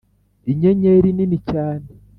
inyenyeri nini cyane